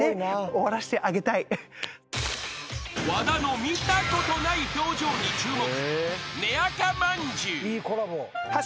［和田の見たことない表情に注目］